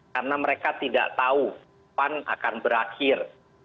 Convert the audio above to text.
karena mereka tidak tahu kapan akan berakhir